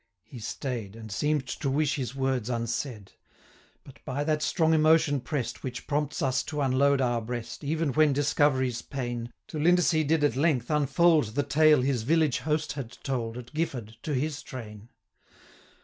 He staid, And seem'd to wish his words unsaid: But, by that strong emotion press'd, Which prompts us to unload our breast, Even when discovery's pain, 380 To Lindesay did at length unfold The tale his village host had told, At Gifford, to his train.